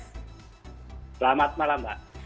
selamat malam mbak